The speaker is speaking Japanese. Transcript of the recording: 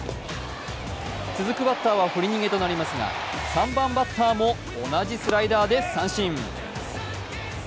続くバッターは振り逃げとなりますが３番バッターも同じスライダーで三振。